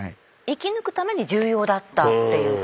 生き抜くために重要だったっていう。